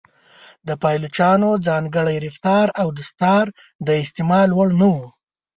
د پایلوچانو ځانګړی رفتار او دستار د استعمال وړ نه و.